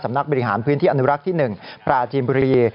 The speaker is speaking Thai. นักบริหารพื้นที่อนุรักษ์ที่๑ปราจีนบุรี